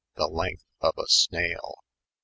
The lenjte of a snayle.